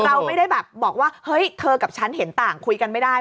เราไม่ได้แบบบอกว่าเฮ้ยเธอกับฉันเห็นต่างคุยกันไม่ได้